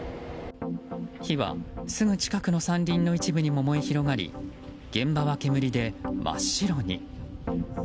火はすぐ近くの山林の一部にも燃え広がり現場は煙で真っ白に。